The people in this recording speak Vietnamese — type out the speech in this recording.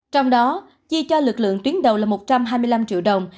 trong đó chi cho lực lượng tuyến đầu là một trăm hai mươi năm triệu đồng